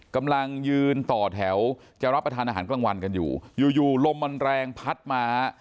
กำลังยืนต่อแถวจะรับประทานอาหารกลางวันกันอยู่อยู่ลมมันแรงพัดมา